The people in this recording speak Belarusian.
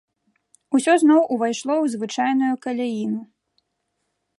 Усё зноў увайшло ў звычайную каляіну.